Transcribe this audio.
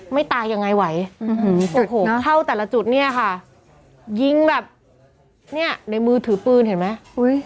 ไม่ตายยังไงไหวโอ้โหเข้าแต่ละจุดเนี่ยค่ะยิงแบบเนี่ยในมือถือปืนเห็นไหม